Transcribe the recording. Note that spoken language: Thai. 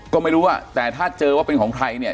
ก็ไม่รู้ว่าแต่ถ้าเจอว่าเป็นของใครเนี่ย